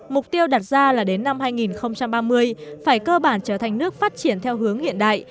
mục tiêu đặt ra là đến năm hai nghìn ba mươi phải cơ bản trở thành nước phát triển theo hướng hiện đại